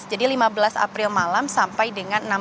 jadi lima belas april malam sampai dengan